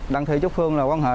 đặng thị trúc phương là quan hệ